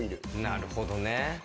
なるほどね。